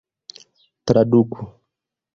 traduku